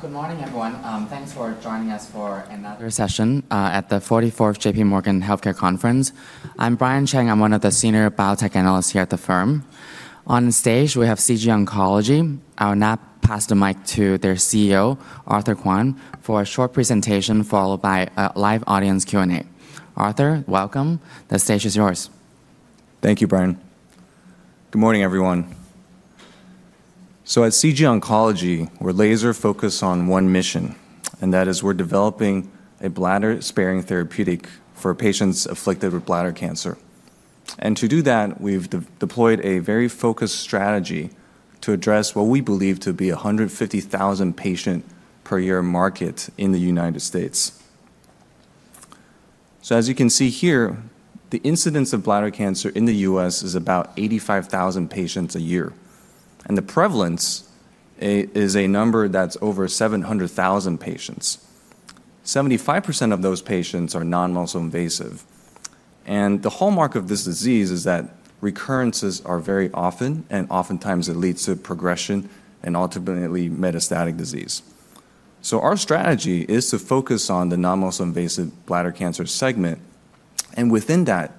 Good morning, everyone. Thanks for joining us for another session at the 44th J.P. Morgan Healthcare Conference. I'm Brian Cheng. I'm one of the senior biotech analysts here at the firm. On stage, we have CG Oncology. I'll now pass the mic to their CEO, Arthur Kuan, for a short presentation followed by a live audience Q&A. Arthur, welcome. The stage is yours. Thank you, Brian. Good morning, everyone. So at CG Oncology, we're laser-focused on one mission, and that is we're developing a bladder-sparing therapeutic for patients afflicted with bladder cancer. And to do that, we've deployed a very focused strategy to address what we believe to be a 150,000 patient-per-year market in the United States. So as you can see here, the incidence of bladder cancer in the US is about 85,000 patients a year. And the prevalence is a number that's over 700,000 patients. 75% of those patients are non-muscle invasive. And the hallmark of this disease is that recurrences are very often, and oftentimes it leads to progression and ultimately metastatic disease. So our strategy is to focus on the non-muscle invasive bladder cancer segment. And within that,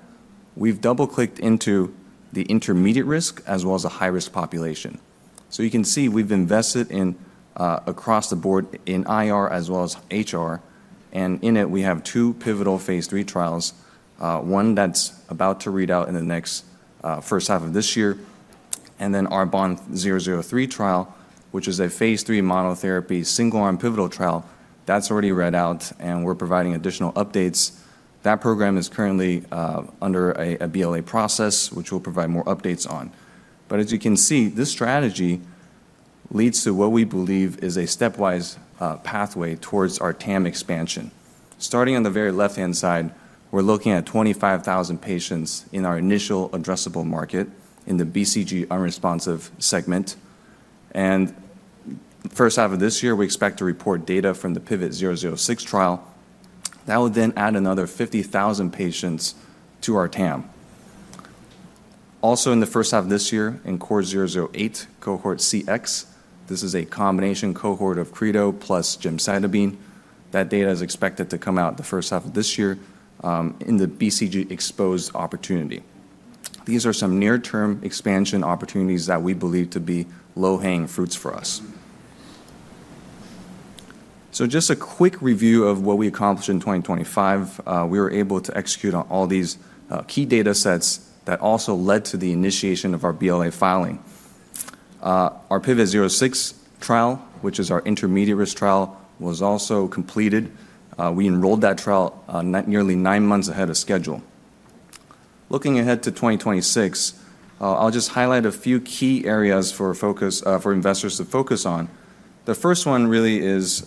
we've double-clicked into the intermediate risk as well as the high-risk population. So you can see we've invested across the board in IR as well as HR. And in it, we have two pivotal phase 3 trials, one that's about to read out in the next first half of this year, and then our BOND-003 trial, which is a phase 3 monotherapy single-arm pivotal trial that's already read out, and we're providing additional updates. That program is currently under a BLA process, which we'll provide more updates on. But as you can see, this strategy leads to what we believe is a stepwise pathway towards our TAM expansion. Starting on the very left-hand side, we're looking at 25,000 patients in our initial addressable market in the BCG-unresponsive segment. And first half of this year, we expect to report data from the PIVOT-006 trial that will then add another 50,000 patients to our TAM. Also, in the first half of this year in CORE-008, Cohort CX, this is a combination cohort of Creto plus gemcitabine. That data is expected to come out the first half of this year in the BCG-exposed opportunity. These are some near-term expansion opportunities that we believe to be low-hanging fruits for us. So just a quick review of what we accomplished in 2025. We were able to execute on all these key data sets that also led to the initiation of our BLA filing. Our PIVOT-006 trial, which is our intermediate-risk trial, was also completed. We enrolled that trial nearly nine months ahead of schedule. Looking ahead to 2026, I'll just highlight a few key areas for investors to focus on. The first one really is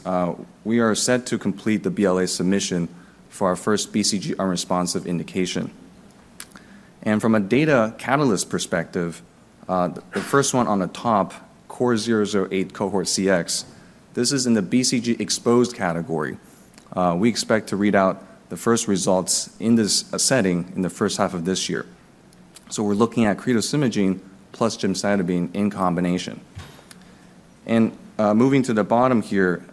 we are set to complete the BLA submission for our first BCG unresponsive indication. From a data catalyst perspective, the first one on the top, CORE-008, Cohort CX, this is in the BCG-exposed category. We expect to read out the first results in this setting in the first half of this year. We're looking at cretostimogene grenadenorepvec plus gemcitabine in combination. Moving to the bottom here,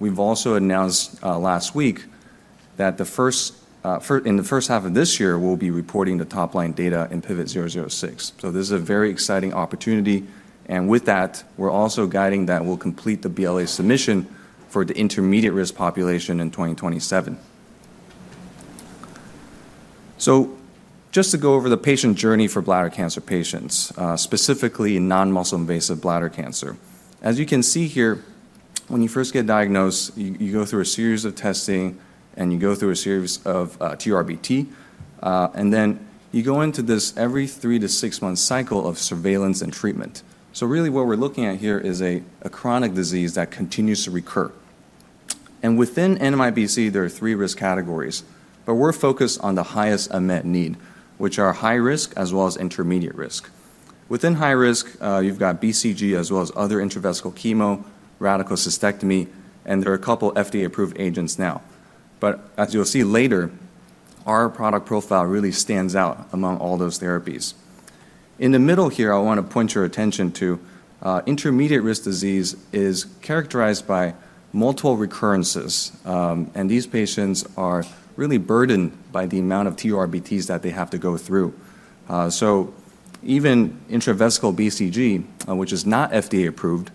we've also announced last week that in the first half of this year, we'll be reporting the top-line data in PIVOT-006. This is a very exciting opportunity. With that, we're also guiding that we'll complete the BLA submission for the intermediate-risk population in 2027. Just to go over the patient journey for bladder cancer patients, specifically non-muscle invasive bladder cancer. As you can see here, when you first get diagnosed, you go through a series of testing, and you go through a series of TURBT. Then you go into this every three- to six-month cycle of surveillance and treatment. Really, what we're looking at here is a chronic disease that continues to recur. Within NMIBC, there are three risk categories, but we're focused on the highest imminent need, which are high risk as well as intermediate risk. Within high risk, you've got BCG as well as other intravesical chemo, radical cystectomy, and there are a couple of FDA-approved agents now. As you'll see later, our product profile really stands out among all those therapies. In the middle here, I want to point your attention to intermediate risk disease that is characterized by multiple recurrences. These patients are really burdened by the amount of TURBTs that they have to go through. Even intravesical BCG, which is not FDA-approved,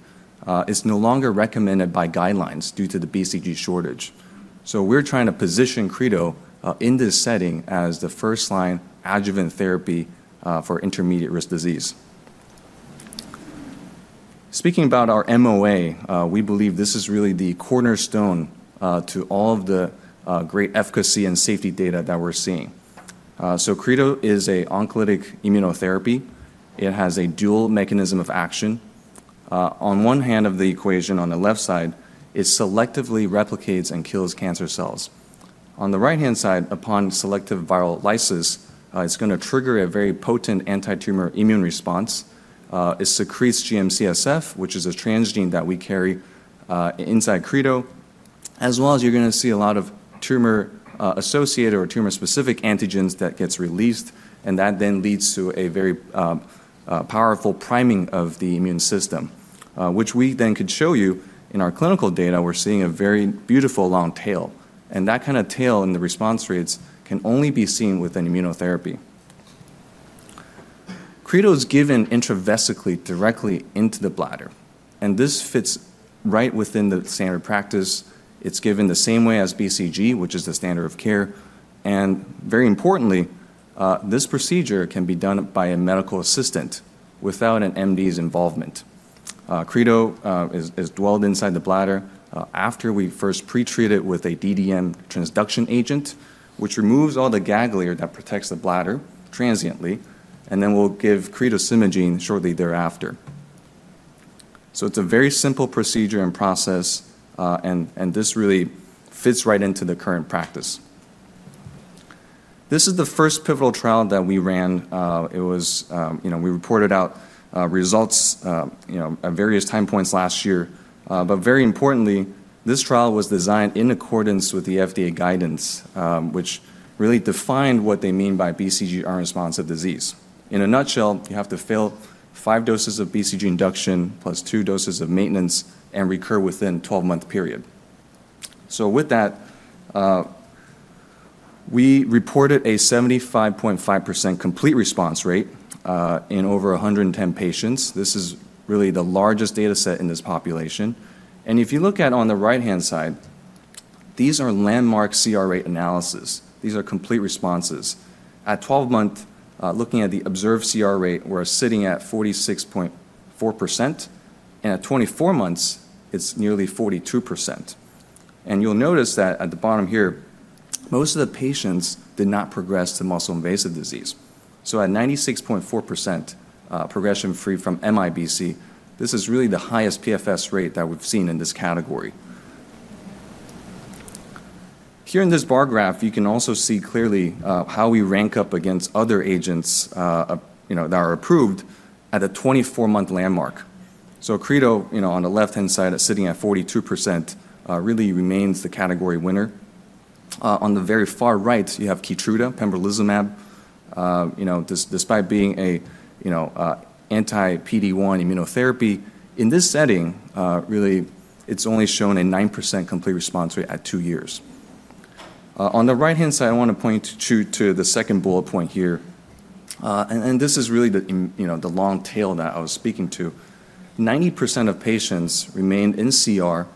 is no longer recommended by guidelines due to the BCG shortage. So we're trying to position Creto in this setting as the first-line adjuvant therapy for intermediate-risk disease. Speaking about our MOA, we believe this is really the cornerstone to all of the great efficacy and safety data that we're seeing. So Creto is an oncolytic immunotherapy. It has a dual mechanism of action. On one hand of the equation on the left side, it selectively replicates and kills cancer cells. On the right-hand side, upon selective viral lysis, it's going to trigger a very potent anti-tumor immune response. It secretes GM-CSF, which is a transgene that we carry inside Creto, as well as you're going to see a lot of tumor-associated or tumor-specific antigens that get released. And that then leads to a very powerful priming of the immune system, which we then could show you in our clinical data. We're seeing a very beautiful long tail. That kind of tail in the response rates can only be seen with an immunotherapy. Creto is given intravesically directly into the bladder. This fits right within the standard practice. It's given the same way as BCG, which is the standard of care. Very importantly, this procedure can be done by a medical assistant without an MD's involvement. Creto is dwelled inside the bladder after we first pretreat it with a DDM transduction agent, which removes all the GAG layer that protects the bladder transiently, and then we'll give Creto simagene shortly thereafter. It's a very simple procedure and process, and this really fits right into the current practice. This is the first pivotal trial that we ran. We reported out results at various time points last year. But very importantly, this trial was designed in accordance with the FDA guidance, which really defined what they mean by BCG unresponsive disease. In a nutshell, you have to fail five doses of BCG induction plus two doses of maintenance and recur within a 12-month period. So with that, we reported a 75.5% complete response rate in over 110 patients. This is really the largest data set in this population. And if you look at on the right-hand side, these are landmark CR rate analyses. These are complete responses. At 12 months, looking at the observed CR rate, we're sitting at 46.4%. And at 24 months, it's nearly 42%. And you'll notice that at the bottom here, most of the patients did not progress to muscle-invasive disease. So at 96.4% progression-free from MIBC, this is really the highest PFS rate that we've seen in this category. Here in this bar graph, you can also see clearly how we rank up against other agents that are approved at a 24-month landmark. creto on the left-hand side is sitting at 42%. It really remains the category winner. On the very far right, you have Keytruda, pembrolizumab, despite being an anti-PD-1 immunotherapy. In this setting, really, it has only shown a 9% complete response rate at two years. On the right-hand side, I want to point you to the second bullet point here. This is really the long tail that I was speaking to. 90% of patients remain in CR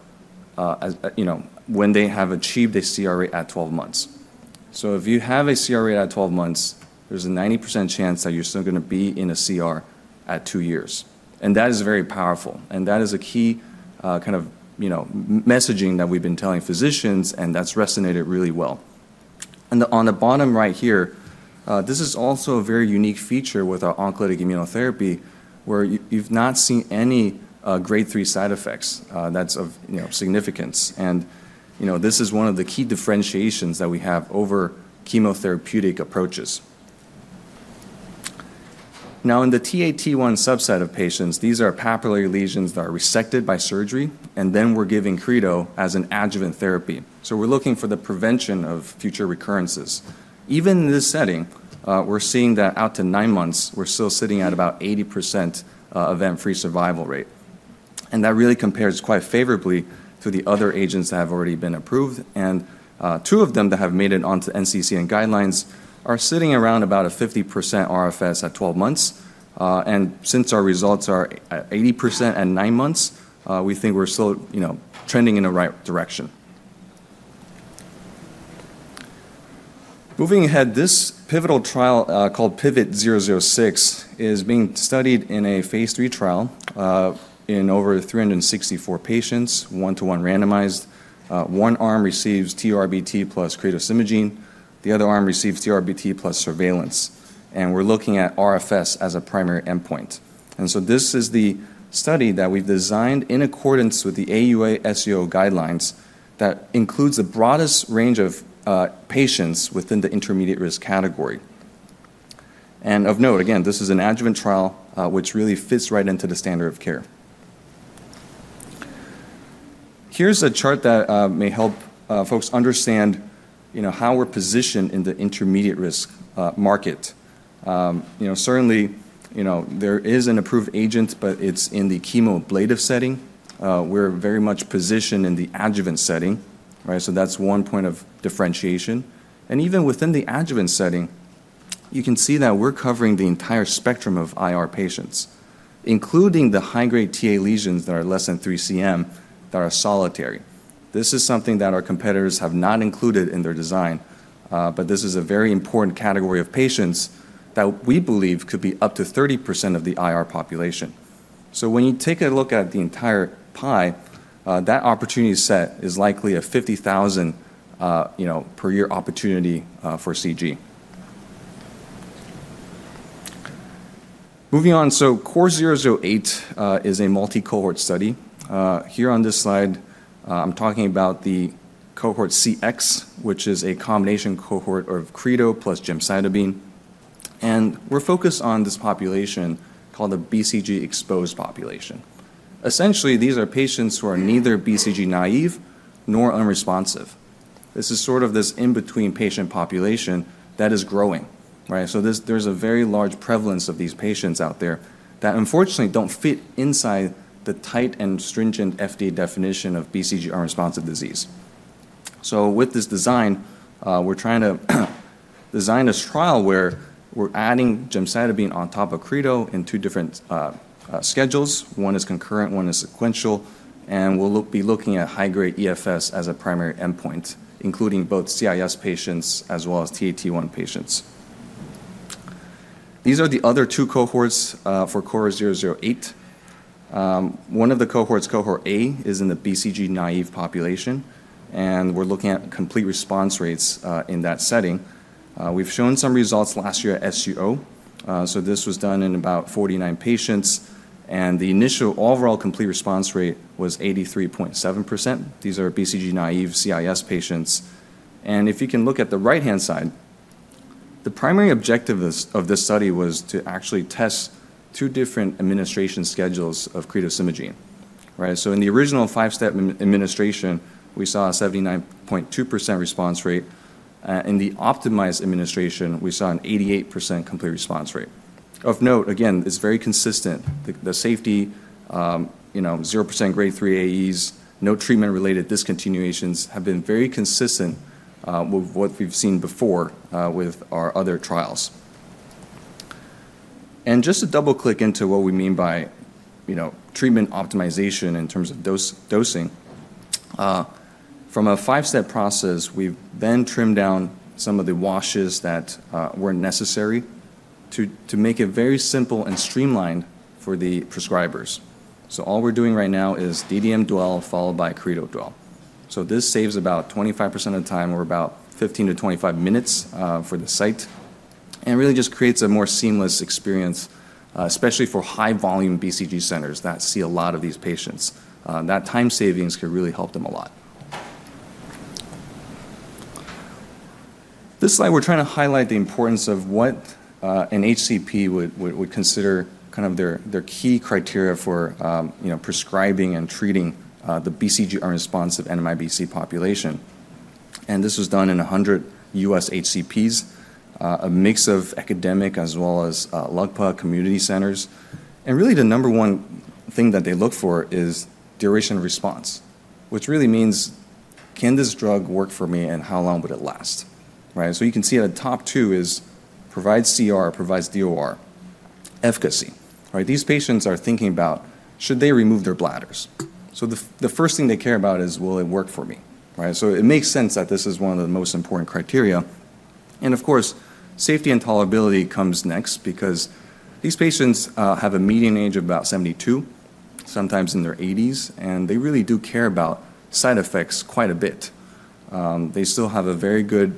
when they have achieved a CR rate at 12 months. If you have a CR rate at 12 months, there's a 90% chance that you're still going to be in a CR at two years. That is very powerful. That is a key kind of messaging that we've been telling physicians, and that's resonated really well. On the bottom right here, this is also a very unique feature with our oncolytic immunotherapy where you've not seen any grade three side effects that's of significance. This is one of the key differentiations that we have over chemotherapeutic approaches. Now, in the Ta/T1 subset of patients, these are papillary lesions that are resected by surgery, and then we're giving creto as an adjuvant therapy. We're looking for the prevention of future recurrences. Even in this setting, we're seeing that out to nine months, we're still sitting at about 80% event-free survival rate. That really compares quite favorably to the other agents that have already been approved. And two of them that have made it onto NCCN guidelines are sitting around about a 50% RFS at 12 months. And since our results are 80% at nine months, we think we're still trending in the right direction. Moving ahead, this pivotal trial called PIVOT-006 is being studied in a phase III trial in over 364 patients, one-to-one randomized. One arm receives TURBT plus cretostimogene grenadenorepvec. The other arm receives TURBT plus surveillance. And we're looking at RFS as a primary endpoint. And so this is the study that we've designed in accordance with the AUA/SUO guidelines that includes the broadest range of patients within the intermediate risk category. And of note, again, this is an adjuvant trial which really fits right into the standard of care. Here's a chart that may help folks understand how we're positioned in the intermediate risk market. Certainly, there is an approved agent, but it's in the chemoablative setting. We're very much positioned in the adjuvant setting. So that's one point of differentiation, and even within the adjuvant setting, you can see that we're covering the entire spectrum of IR patients, including the high-grade TA lesions that are less than 3 cm that are solitary. This is something that our competitors have not included in their design, but this is a very important category of patients that we believe could be up to 30% of the IR population, so when you take a look at the entire pie, that opportunity set is likely a 50,000 per year opportunity for CG. Moving on, so CORE-008 is a multi-cohort study. Here on this slide, I'm talking about the cohort CX, which is a combination cohort of creto plus gemcitabine. We're focused on this population called the BCG exposed population. Essentially, these are patients who are neither BCG naive nor unresponsive. This is sort of this in-between patient population that is growing. There's a very large prevalence of these patients out there that, unfortunately, don't fit inside the tight and stringent FDA definition of BCG unresponsive disease. With this design, we're trying to design this trial where we're adding gemcitabine on top of creto in two different schedules. One is concurrent, one is sequential. We'll be looking at high-grade EFS as a primary endpoint, including both CIS patients as well as Ta/T1 patients. These are the other two cohorts for CORE-008. One of the cohorts, cohort A, is in the BCG naive population. We're looking at complete response rates in that setting. We've shown some results last year at SUO. This was done in about 49 patients. And the initial overall complete response rate was 83.7%. These are BCG naive CIS patients. And if you can look at the right-hand side, the primary objective of this study was to actually test two different administration schedules of cretostimogene grenadenorepvec. So in the original five-step administration, we saw a 79.2% response rate. In the optimized administration, we saw an 88% complete response rate. Of note, again, it's very consistent. The safety, 0% grade three AEs, no treatment-related discontinuations have been very consistent with what we've seen before with our other trials. And just to double-click into what we mean by treatment optimization in terms of dosing, from a five-step process, we've then trimmed down some of the washes that were necessary to make it very simple and streamlined for the prescribers. So all we're doing right now is DDM dwell followed by creto dwell. So this saves about 25% of the time or about 15-25 minutes for the site. And it really just creates a more seamless experience, especially for high-volume BCG centers that see a lot of these patients. That time savings can really help them a lot. This slide, we're trying to highlight the importance of what an HCP would consider kind of their key criteria for prescribing and treating the BCG-unresponsive NMIBC population. And this was done in 100 U.S. HCPs, a mix of academic as well as LUGPA community centers. And really, the number one thing that they look for is duration of response, which really means, can this drug work for me and how long would it last? So you can see at the top two is provides CR, provides DOR, efficacy. These patients are thinking about, should they remove their bladders? So the first thing they care about is, will it work for me? So it makes sense that this is one of the most important criteria. And of course, safety and tolerability comes next because these patients have a median age of about 72, sometimes in their 80s, and they really do care about side effects quite a bit. They still have a very good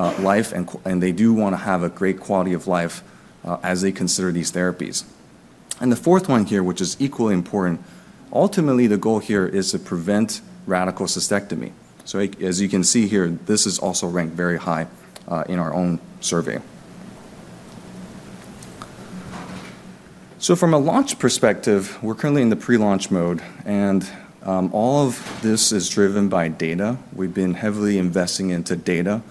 life, and they do want to have a great quality of life as they consider these therapies. And the fourth one here, which is equally important, ultimately, the goal here is to prevent radical cystectomy. So as you can see here, this is also ranked very high in our own survey. So from a launch perspective, we're currently in the pre-launch mode. And all of this is driven by data. We've been heavily investing into data.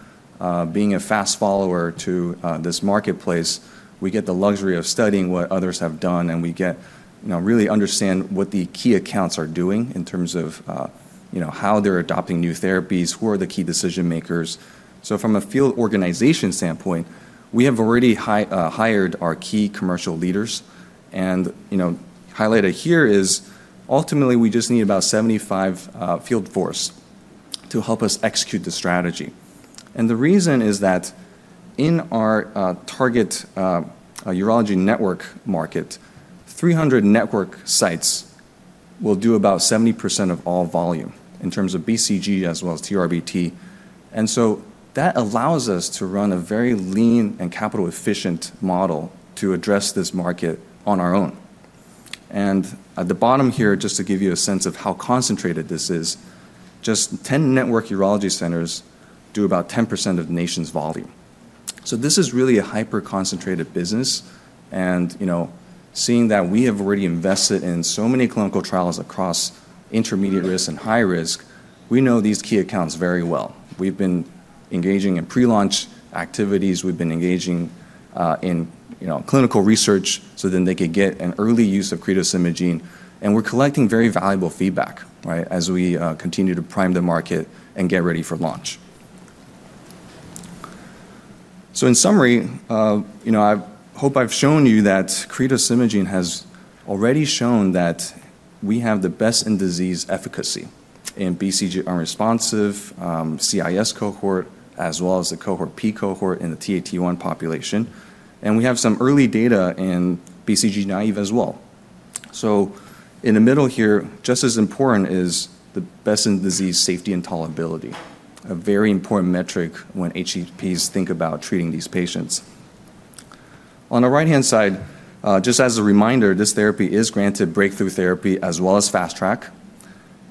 Being a fast follower to this marketplace, we get the luxury of studying what others have done, and we get to really understand what the key accounts are doing in terms of how they're adopting new therapies, who are the key decision-makers, so from a field organization standpoint, we have already hired our key commercial leaders, and highlighted here is, ultimately, we just need about 75 field force to help us execute the strategy. And the reason is that in our target urology network market, 300 network sites will do about 70% of all volume in terms of BCG as well as TURBT, and so that allows us to run a very lean and capital-efficient model to address this market on our own. At the bottom here, just to give you a sense of how concentrated this is, just 10 network urology centers do about 10% of the nation's volume. So this is really a hyper-concentrated business. And seeing that we have already invested in so many clinical trials across intermediate-risk and high-risk, we know these key accounts very well. We've been engaging in pre-launch activities. We've been engaging in clinical research so then they could get an early use of cretostimogene grenadenorepvec. And we're collecting very valuable feedback as we continue to prime the market and get ready for launch. So in summary, I hope I've shown you that cretostimogene grenadenorepvec has already shown that we have the best in disease efficacy in BCG-unresponsive CIS cohort as well as the Cohort P cohort in the Ta/T1 population. And we have some early data in BCG-naïve as well. In the middle here, just as important is the best in disease safety and tolerability, a very important metric when HCPs think about treating these patients. On the right-hand side, just as a reminder, this therapy is granted breakthrough therapy as well as fast track.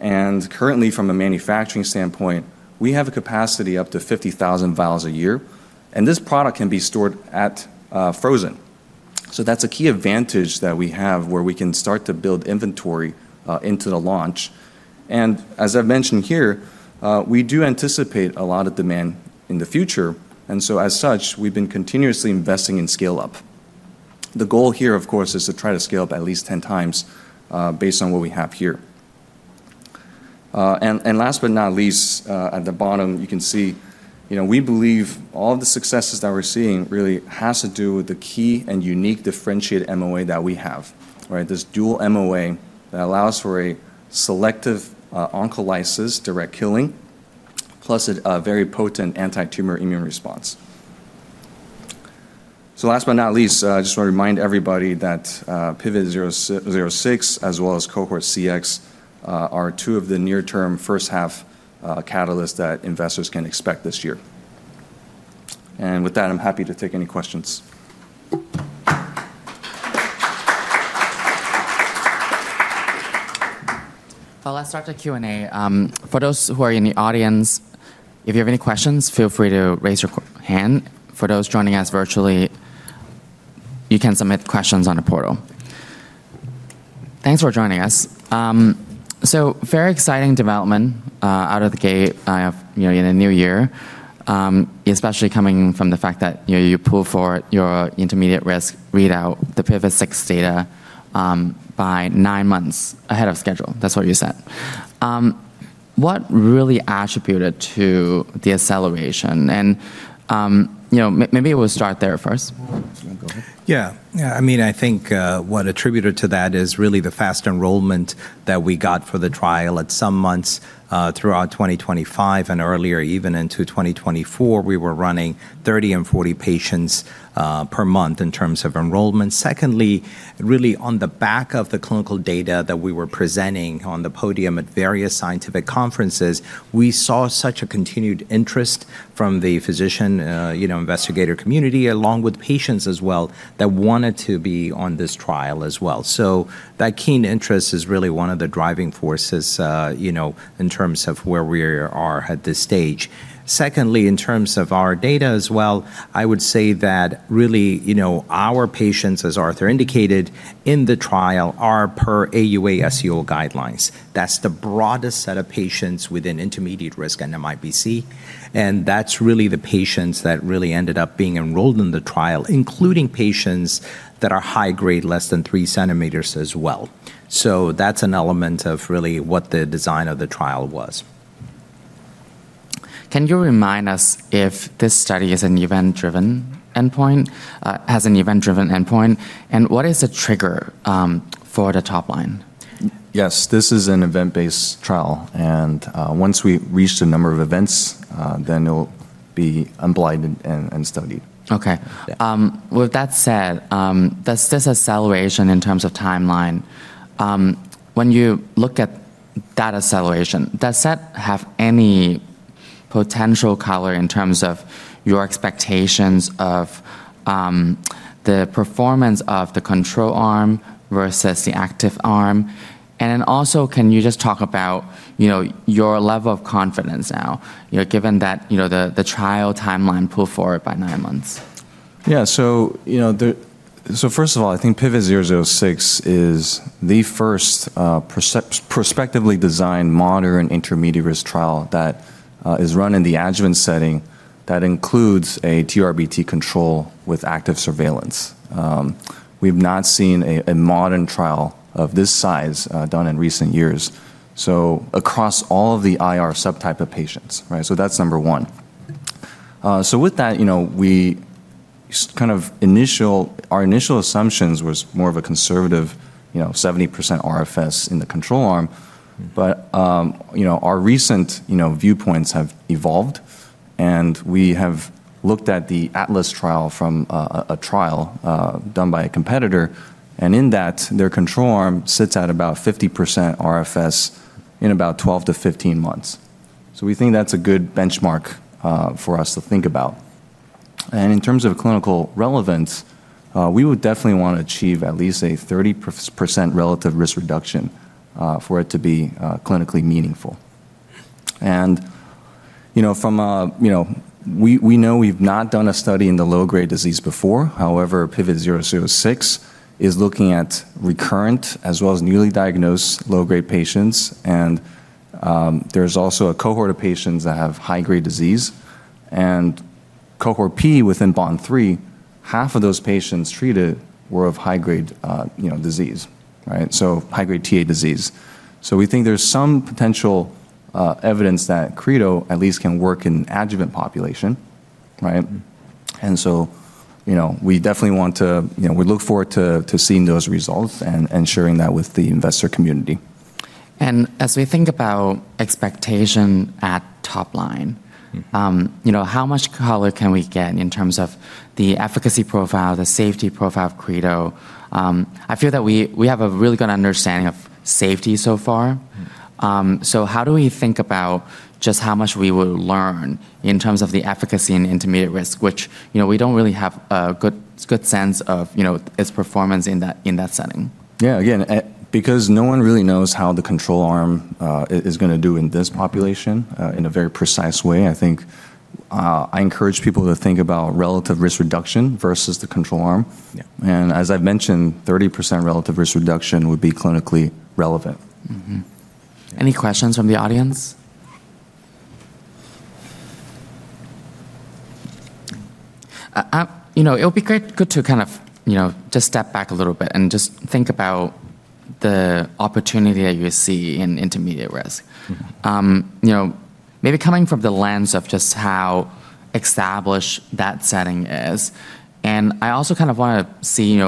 Currently, from a manufacturing standpoint, we have a capacity up to 50,000 vials a year. This product can be stored frozen. That's a key advantage that we have where we can start to build inventory into the launch. As I've mentioned here, we do anticipate a lot of demand in the future. As such, we've been continuously investing in scale-up. The goal here, of course, is to try to scale up at least 10 times based on what we have here. And last but not least, at the bottom, you can see we believe all of the successes that we're seeing really has to do with the key and unique differentiated MOA that we have, this dual MOA that allows for a selective oncolysis direct killing, plus a very potent anti-tumor immune response. So last but not least, I just want to remind everybody that PIVOT-006 as well as Cohort CX are two of the near-term first-half catalysts that investors can expect this year. And with that, I'm happy to take any questions. I'll ask during Q&A. For those who are in the audience, if you have any questions, feel free to raise your hand. For those joining us virtually, you can submit questions on the portal. Thanks for joining us. So very exciting development out of the gate in the new year, especially coming from the fact that you pulled the readout for your intermediate-risk, the PIVOT-006 data by nine months ahead of schedule. That's what you said. What really attributed to the acceleration? And maybe we'll start there first. Yeah. I mean, I think what attributed to that is really the fast enrollment that we got for the trial. At some months throughout 2025 and earlier, even into 2024, we were running 30 and 40 patients per month in terms of enrollment. Secondly, really on the back of the clinical data that we were presenting on the podium at various scientific conferences, we saw such a continued interest from the physician investigator community along with patients as well that wanted to be on this trial as well. So that keen interest is really one of the driving forces in terms of where we are at this stage. Secondly, in terms of our data as well, I would say that really our patients, as Arthur indicated in the trial, are per AUA/SUO guidelines. That's the broadest set of patients within intermediate-risk NMIBC. That's really the patients that really ended up being enrolled in the trial, including patients that are high grade, less than 3 cm as well. That's an element of really what the design of the trial was. Can you remind us if this study has an event-driven endpoint? And what is the trigger for the top line? Yes. This is an event-based trial. And once we reach the number of events, then it will be unblinded and studied. Okay. With that said, does this acceleration in terms of timeline, when you look at that acceleration, does that have any potential color in terms of your expectations of the performance of the control arm versus the active arm? And then also, can you just talk about your level of confidence now, given that the trial timeline pulled forward by nine months? Yeah. So first of all, I think PIVOT-006 is the first prospectively designed modern intermediate-risk trial that is run in the adjuvant setting that includes a TURBT control with active surveillance. We've not seen a modern trial of this size done in recent years, so across all of the IR subtype of patients. So that's number one. So with that, our initial assumption was more of a conservative 70% RFS in the control arm. But our recent viewpoints have evolved. And we have looked at the Atlas trial from a trial done by a competitor. And in that, their control arm sits at about 50% RFS in about 12-15 months. So we think that's a good benchmark for us to think about. And in terms of clinical relevance, we would definitely want to achieve at least a 30% relative risk reduction for it to be clinically meaningful. We know we've not done a study in the low-grade disease before. However, PIVOT-006 is looking at recurrent as well as newly diagnosed low-grade patients. There's also a cohort of patients that have high-grade disease. Cohort P within BOND-003, half of those patients treated were of high-grade disease, so high-grade TA disease. We think there's some potential evidence that creto at least can work in adjuvant population. We definitely want to look forward to seeing those results and sharing that with the investor community. As we think about expectation at top line, how much color can we get in terms of the efficacy profile, the safety profile of creto? I feel that we have a really good understanding of safety so far. How do we think about just how much we will learn in terms of the efficacy and intermediate risk, which we don't really have a good sense of its performance in that setting? Yeah. Again, because no one really knows how the control arm is going to do in this population in a very precise way, I think I encourage people to think about relative risk reduction versus the control arm, and as I've mentioned, 30% relative risk reduction would be clinically relevant. Any questions from the audience? It would be good to kind of just step back a little bit and just think about the opportunity that you see in intermediate risk, maybe coming from the lens of just how established that setting is, and I also kind of want to see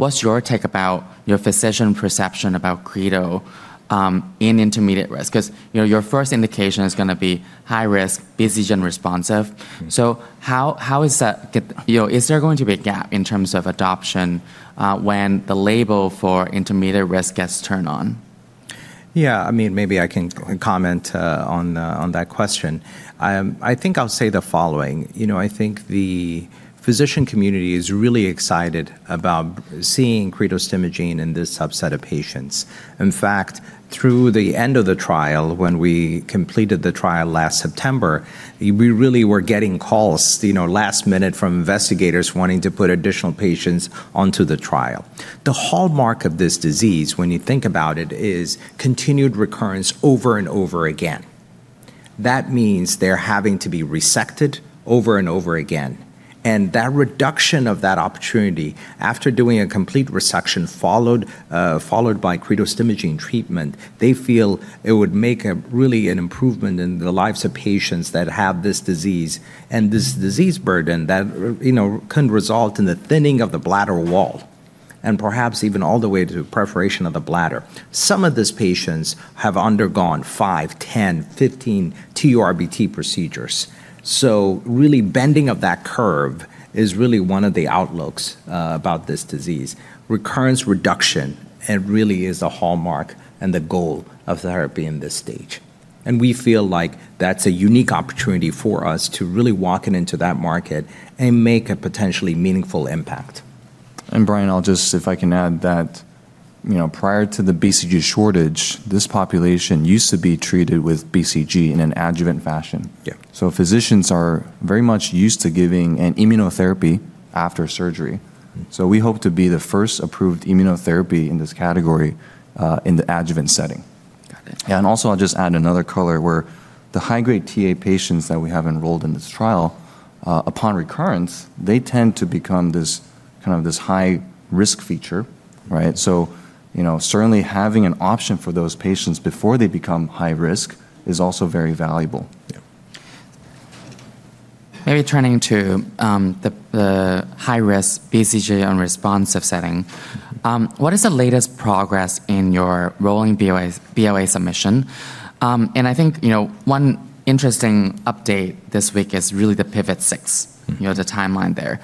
what's your take about your physician perception about creto in intermediate risk because your first indication is going to be high risk, BCG unresponsive, so how is that? Is there going to be a gap in terms of adoption when the label for intermediate risk gets turned on? Yeah. I mean, maybe I can comment on that question. I think I'll say the following. I think the physician community is really excited about seeing cretostimogene grenadenorepvec in this subset of patients. In fact, through the end of the trial, when we completed the trial last September, we really were getting calls last minute from investigators wanting to put additional patients onto the trial. The hallmark of this disease, when you think about it, is continued recurrence over and over again. That means they're having to be resected over and over again. And that reduction of that opportunity after doing a complete resection followed by cretostimogene treatment, they feel it would make really an improvement in the lives of patients that have this disease and this disease burden that can result in the thinning of the bladder wall and perhaps even all the way to perforation of the bladder. Some of these patients have undergone five, 10, 15 TURBT procedures. So really bending of that curve is really one of the outlooks about this disease. Recurrence reduction really is the hallmark and the goal of therapy in this stage. And we feel like that's a unique opportunity for us to really walk into that market and make a potentially meaningful impact. And Brian, if I can add that prior to the BCG shortage, this population used to be treated with BCG in an adjuvant fashion. Physicians are very much used to giving an immunotherapy after surgery. We hope to be the first approved immunotherapy in this category in the adjuvant setting. Also, I'll just add another color where the high-grade Ta patients that we have enrolled in this trial, upon recurrence, they tend to become this kind of high-risk feature. Certainly having an option for those patients before they become high-risk is also very valuable. Maybe turning to the high-risk BCG unresponsive setting, what is the latest progress in your rolling BLA submission? And I think one interesting update this week is really the PIVOT-006, the timeline there.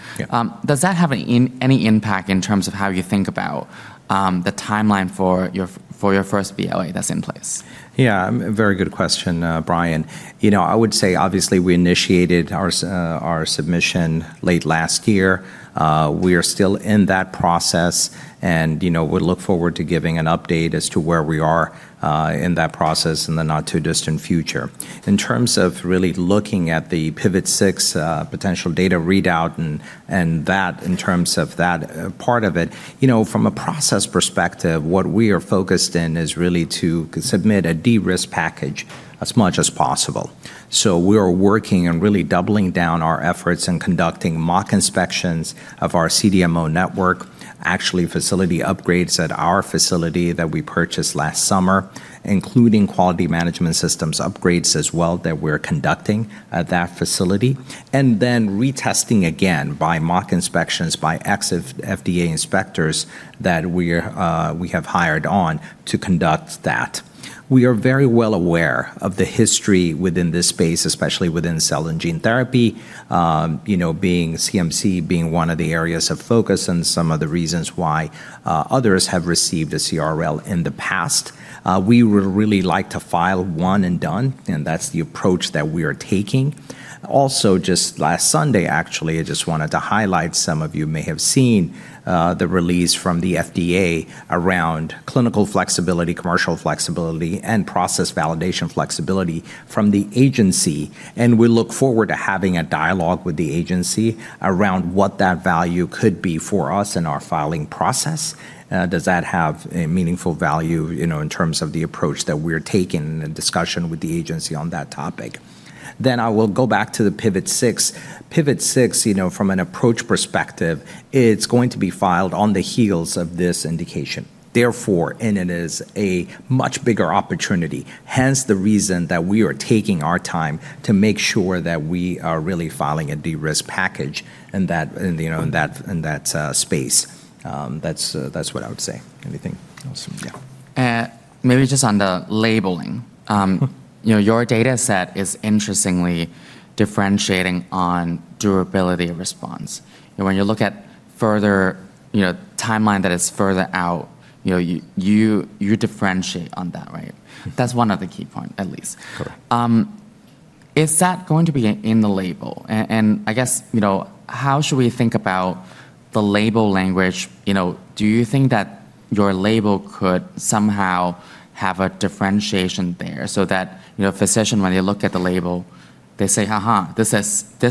Does that have any impact in terms of how you think about the timeline for your first BLA that's in place? Yeah. Very good question, Brian. I would say, obviously, we initiated our submission late last year. We are still in that process and would look forward to giving an update as to where we are in that process in the not-too-distant future. In terms of really looking at the PIVOT-006 potential data readout and that in terms of that part of it, from a process perspective, what we are focused in is really to submit a de-risk package as much as possible. So we are working and really doubling down our efforts and conducting mock inspections of our CDMO network, actually facility upgrades at our facility that we purchased last summer, including quality management systems upgrades as well that we're conducting at that facility, and then retesting again by mock inspections by ex-FDA inspectors that we have hired on to conduct that. We are very well aware of the history within this space, especially within cell and gene therapy, being CMC one of the areas of focus and some of the reasons why others have received a CRL in the past. We would really like to file one and done, and that's the approach that we are taking. Also, just last Sunday, actually, I just wanted to highlight some of you may have seen the release from the FDA around clinical flexibility, commercial flexibility, and process validation flexibility from the agency. We look forward to having a dialogue with the agency around what that value could be for us in our filing process. Does that have meaningful value in terms of the approach that we're taking and the discussion with the agency on that topic, then I will go back to the PIVOT-006. PIVOT-006, from an approach perspective, it's going to be filed on the heels of this indication. Therefore, it is a much bigger opportunity. Hence the reason that we are taking our time to make sure that we are really filing a de-risk package in that space. That's what I would say. Anything else? Yeah. Maybe just on the labeling. Your data set is interestingly differentiating on duration of response. When you look at further timeline that is further out, you differentiate on that, right? That's one of the key points, at least. Is that going to be in the label? And I guess, how should we think about the label language? Do you think that your label could somehow have a differentiation there so that physician, when they look at the label, they say, "Ha ha, this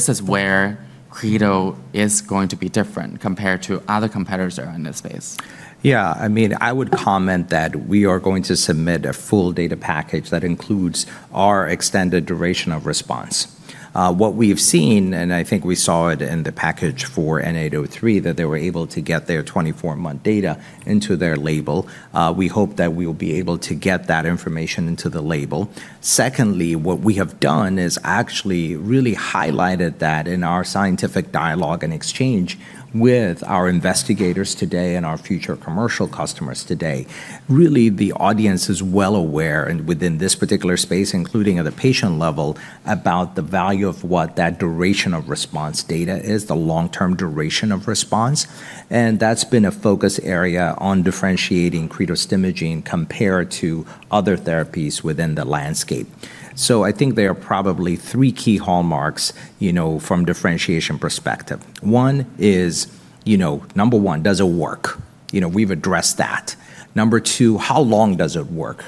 is where creto is going to be different compared to other competitors that are in this space"? Yeah. I mean, I would comment that we are going to submit a full data package that includes our extended duration of response. What we've seen, and I think we saw it in the package for N-803, that they were able to get their 24-month data into their label. We hope that we will be able to get that information into the label. Secondly, what we have done is actually really highlighted that in our scientific dialogue and exchange with our investigators today and our future commercial customers today. Really, the audience is well aware within this particular space, including at the patient level, about the value of what that duration of response data is, the long-term duration of response. And that's been a focus area on differentiating cretostimogene compared to other therapies within the landscape. So I think there are probably three key hallmarks from differentiation perspective. One is, number one, does it work? We've addressed that. Number two, how long does it work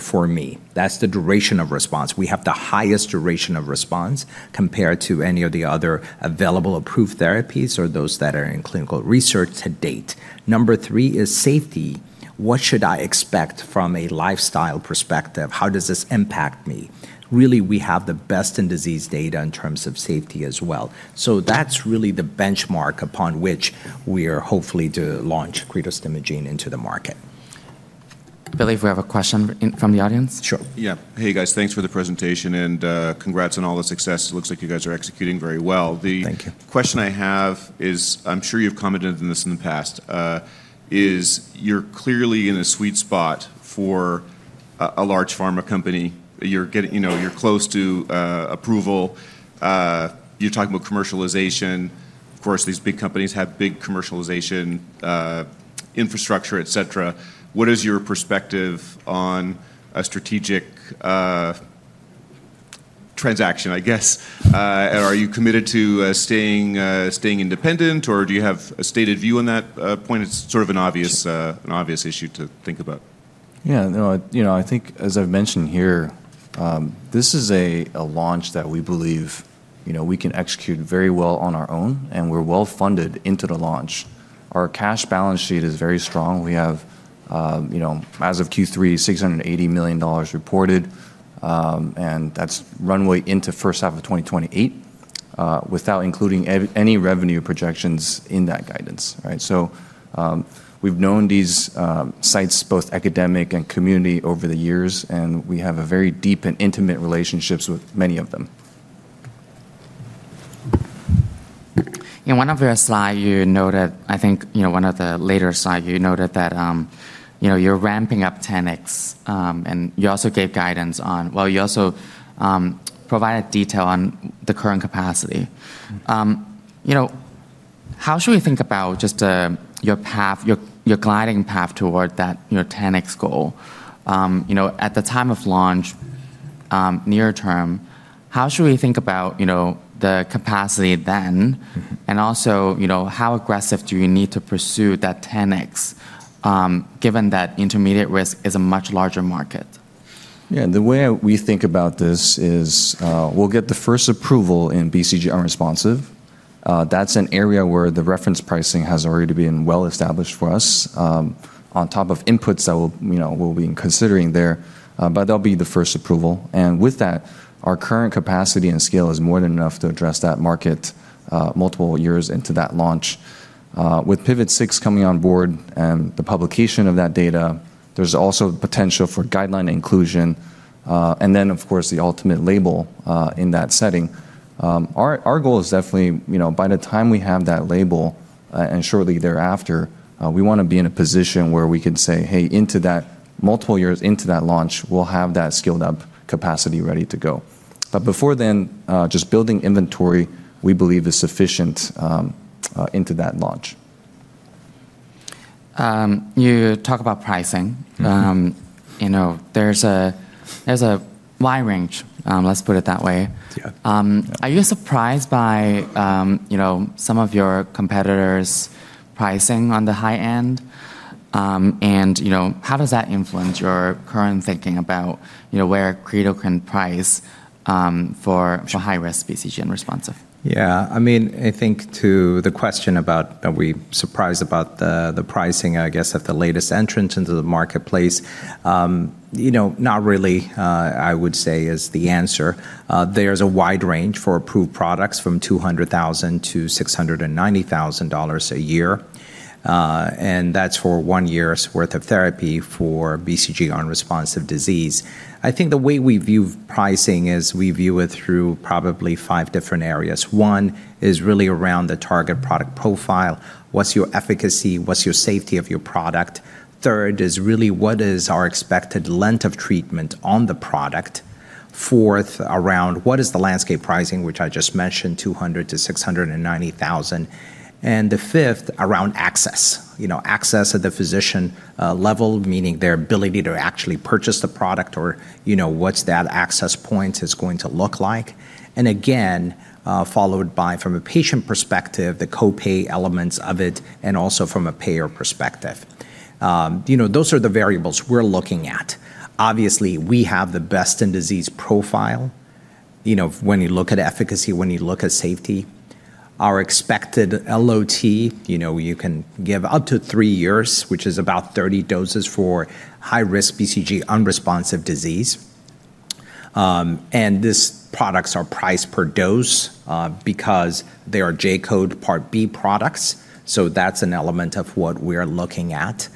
for me? That's the duration of response. We have the highest duration of response compared to any of the other available approved therapies or those that are in clinical research to date. Number three is safety. What should I expect from a lifestyle perspective? How does this impact me? Really, we have the best in disease data in terms of safety as well. So that's really the benchmark upon which we are hopefully to launch cretostimogene grenadenorepvec into the market. Billy, if we have a question from the audience? Sure. Yeah. Hey, guys. Thanks for the presentation and congrats on all the success. It looks like you guys are executing very well. Thank you. The question I have is, I'm sure you've commented on this in the past, is you're clearly in a sweet spot for a large pharma company. You're close to approval. You're talking about commercialization. Of course, these big companies have big commercialization infrastructure, et cetera. What is your perspective on a strategic transaction, I guess? Are you committed to staying independent, or do you have a stated view on that point? It's sort of an obvious issue to think about. Yeah. I think, as I've mentioned here, this is a launch that we believe we can execute very well on our own, and we're well funded into the launch. Our cash balance sheet is very strong. We have, as of Q3, $680 million reported, and that's runway into first half of 2028 without including any revenue projections in that guidance. So we've known these sites, both academic and community, over the years, and we have very deep and intimate relationships with many of them. In one of your slides, you noted, I think one of the later slides, you noted that you're ramping up 10X, and you also gave guidance on, well, you also provided detail on the current capacity. How should we think about just your glide path toward that 10X goal? At the time of launch, near term, how should we think about the capacity then, and also, how aggressive do you need to pursue that 10X, given that intermediate risk is a much larger market? Yeah. The way we think about this is we'll get the first approval in BCG unresponsive. That's an area where the reference pricing has already been well established for us on top of inputs that we'll be considering there. But that'll be the first approval. And with that, our current capacity and scale is more than enough to address that market multiple years into that launch. With PIVOT-006 coming on board and the publication of that data, there's also potential for guideline inclusion. And then, of course, the ultimate label in that setting. Our goal is definitely, by the time we have that label and shortly thereafter, we want to be in a position where we can say, "Hey, into that multiple years into that launch, we'll have that scaled-up capacity ready to go." But before then, just building inventory, we believe, is sufficient into that launch. You talk about pricing. There's a wide range, let's put it that way. Are you surprised by some of your competitors' pricing on the high end? And how does that influence your current thinking about where creto can price for high-risk BCG unresponsive? Yeah. I mean, I think to the question about that we're surprised about the pricing, I guess, at the latest entrance into the marketplace, not really, I would say, is the answer. There's a wide range for approved products from $200,000-$690,000 a year. That's for one year's worth of therapy for BCG unresponsive disease. I think the way we view pricing is we view it through probably five different areas. One is really around the target product profile. What's your efficacy? What's your safety of your product? Third is really what is our expected length of treatment on the product? Fourth, around what is the landscape pricing, which I just mentioned, $200,000-$690,000. And the fifth, around access. Access at the physician level, meaning their ability to actually purchase the product or what's that access point is going to look like. And again, followed by, from a patient perspective, the copay elements of it, and also from a payer perspective. Those are the variables we're looking at. Obviously, we have the best in disease profile when you look at efficacy, when you look at safety. Our expected LOT, you can give up to three years, which is about 30 doses for high-risk BCG unresponsive disease. And these products are priced per dose because they are J-code Part B products. So that's an element of what we are looking at.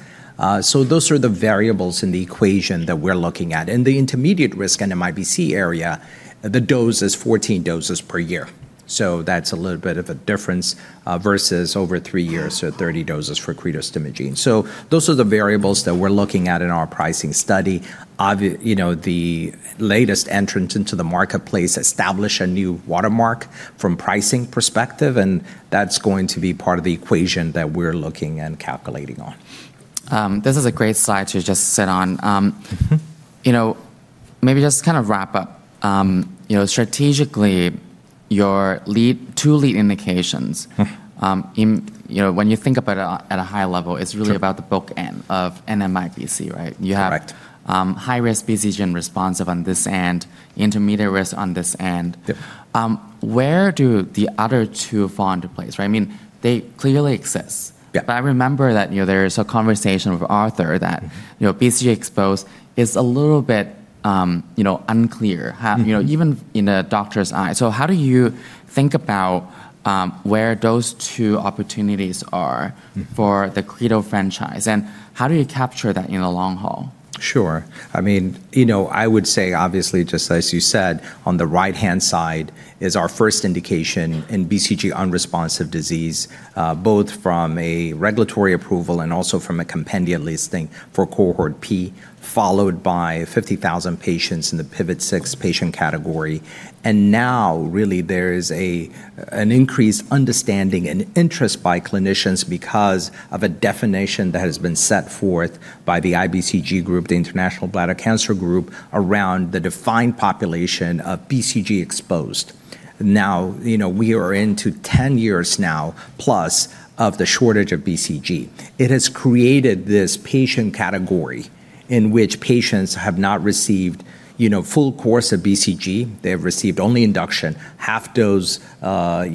So those are the variables in the equation that we're looking at. In the intermediate risk and MIBC area, the dose is 14 doses per year. So that's a little bit of a difference versus over three years, so 30 doses for cretostimogene. So those are the variables that we're looking at in our pricing study. The latest entrance into the marketplace established a new watermark from pricing perspective, and that's going to be part of the equation that we're looking and calculating on. This is a great slide to just sit on. Maybe just kind of wrap up. Strategically, your two lead indications, when you think about it at a high level, it's really about the bookend of NMIBC, right? You have high-risk BCG unresponsive on this end, intermediate risk on this end. Where do the other two fall into place? I mean, they clearly exist. But I remember that there is a conversation with Arthur that BCG exposed is a little bit unclear, even in a doctor's eye. So how do you think about where those two opportunities are for the creto franchise? And how do you capture that in the long haul? Sure. I mean, I would say, obviously, just as you said, on the right-hand side is our first indication in BCG unresponsive disease, both from a regulatory approval and also from a compendium listing for Cohort P, followed by 50,000 patients in the PIVOT6 patient category, and now, really, there is an increased understanding and interest by clinicians because of a definition that has been set forth by the IBCG Group, the International Bladder Cancer Group, around the defined population of BCG exposed. Now, we are into 10 years now plus of the shortage of BCG. It has created this patient category in which patients have not received full course of BCG. They have received only induction, half dose of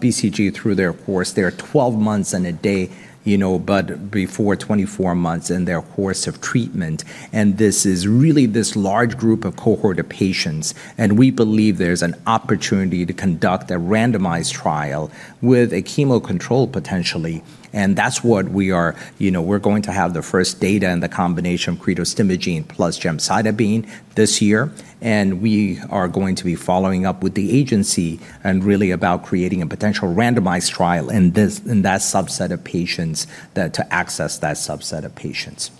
BCG through their course. They're 12 months and a day, but before 24 months in their course of treatment, and this is really this large group of cohort of patients. We believe there's an opportunity to conduct a randomized trial with a chemo control potentially. That's what we are. We're going to have the first data and the combination of cretostimogene plus gemcitabine this year. We are going to be following up with the agency and really about creating a potential randomized trial in that subset of patients to address that subset of patients.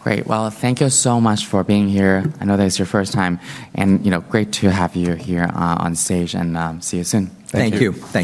Great. Thank you so much for being here. I know that's your first time. Great to have you here on stage. See you soon. Thank you.